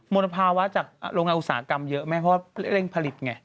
ลภาวะจากโรงงานอุตสาหกรรมเยอะไหมเพราะว่าเร่งผลิตไง